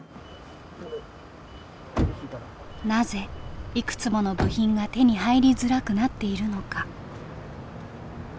なぜいくつもの部品が手に入りづらくなっているのか？